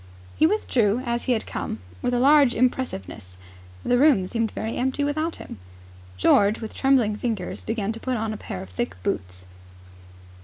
He withdrew as he had come, with a large impressiveness. The room seemed very empty without him. George, with trembling fingers, began to put on a pair of thick boots.